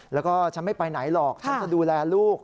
แล้วก็ฉันไม่ไปไหนหรอกฉันจะดูแลลูก